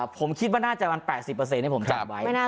ผมคิดว่าน่าจะมัน๘๐ที่ผมจัดไว้